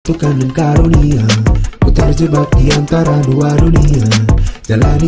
hai tukang dan karunia putar jebak diantara dua dunia jalani